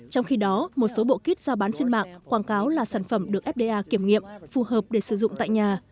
trong khi đó một số bộ kít ra bán trên mạng quảng cáo là sản phẩm được fda kiểm nghiệm phù hợp để sử dụng tại nhà